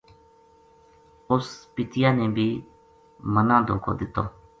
اُس پِتیا نے بھی منا دھوکو دِتو